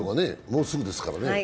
もうすぐですからね。